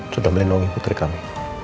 sudah melindungi putri kami